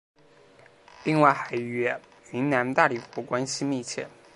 另外还与云南大理国关系密切。